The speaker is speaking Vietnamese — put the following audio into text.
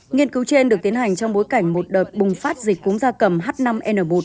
nghiên cứu trên được tiến hành trong bối cảnh một đợt bùng phát dịch cúng gia cầm h năm n một